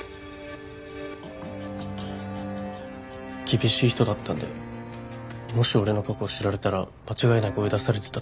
厳しい人だったんでもし俺の過去を知られたら間違いなく追い出されてたと思います。